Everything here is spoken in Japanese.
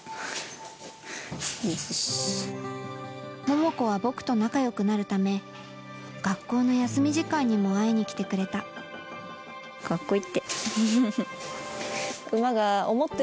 桃子は僕と仲良くなるため学校の休み時間にも会いに来てくれたカッコいいってウフフ。